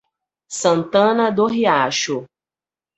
Santana do Riacho